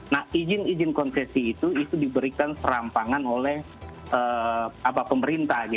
nah izin izin konsesi itu itu diberikan serampangan oleh pemerintah